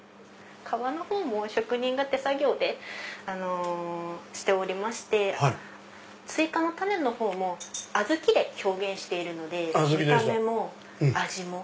皮のほうも職人が手作業でしておりましてスイカの種のほうもアズキで表現しているので見た目も味も。